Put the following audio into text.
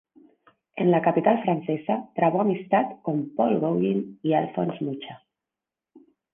En la capital francesa trabó amistad con Paul Gauguin y Alfons Mucha.